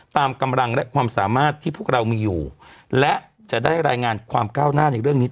ตามกำลังและความสามารถที่พวกเรามีอยู่และจะได้รายงานความก้าวหน้าในเรื่องนี้